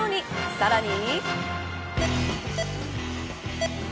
さらに。